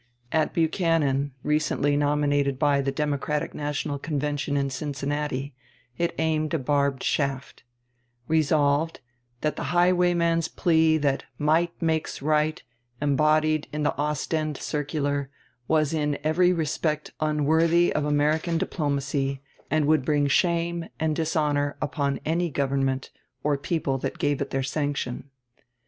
At Buchanan, recently nominated by the Democratic National Convention in Cincinnati, it aimed a barbed shaft: "Resolved, That the highwayman's plea that 'might makes right,' embodied in the Ostend circular, was in every respect unworthy of American diplomacy, and would bring shame and dishonor upon any government or people that gave it their sanction."